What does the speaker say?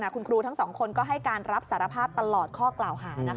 คุณครูทั้งสองคนก็ให้การรับสารภาพตลอดข้อกล่าวหา